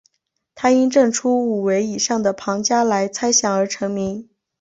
他因证出五维或以上的庞加莱猜想而成名。